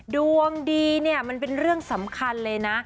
ดวงดีเนี่ยมันเป็นเรื่องสำคัญเลยนะ